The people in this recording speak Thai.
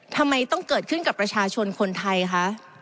ทำไมต้องเกิดขึ้นกับประชาชนคนไทยคะ